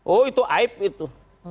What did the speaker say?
oh itu aib itu